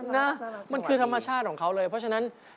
นะมันคือธรรมชาติของเขาเลยเพราะฉะนั้น